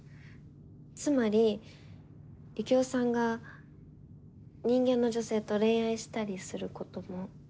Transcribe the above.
つまりユキオさんが人間の女性と恋愛したりすることも？